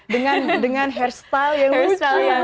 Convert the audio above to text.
dengan hairstyle yang lucu